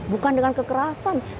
bukan dengan kekerasan